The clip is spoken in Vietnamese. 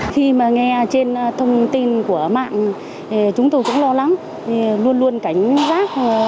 khi mà nghe trên thông tin của mạng chúng tôi cũng lo lắng luôn luôn cảnh giác